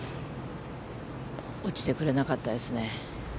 落ちてくれなかったですね。